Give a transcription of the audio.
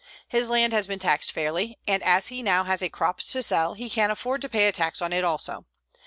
His land has been taxed fairly and as he now has a crop to sell he can afford to pay a tax on it also.